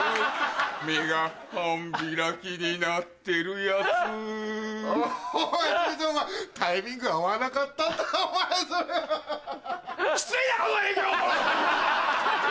目が半開きになってる奴タイミング合わなかったんだお前それアハハ。